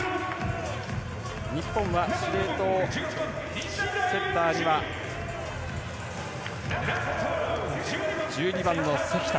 日本は司令塔セッターには１２番の関田。